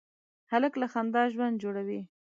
هلک له خندا ژوند جوړوي.